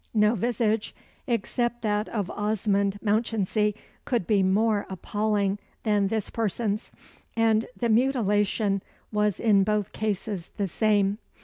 No visage, except that of Osmond Mounchensey, could be more appalling than this person's, and the mutilation was in both cases the same.